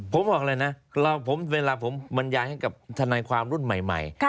ผมบอกเลยนะเวลาผมบรรยายให้กับทนายความรุ่นใหม่